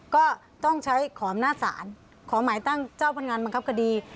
ก็ต้องใช้ขออำนาจศาลขอหมายตั้งเจ้าพนักงานบังคับคดี